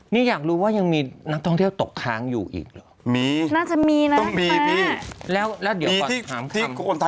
ที่เราต้องห้ามออกหลัง๔ทุ่มถูกไหมคะ